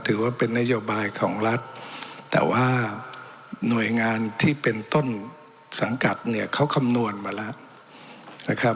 ถือว่าเป็นนโยบายของรัฐแต่ว่าหน่วยงานที่เป็นต้นสังกัดเนี่ยเขาคำนวณมาแล้วนะครับ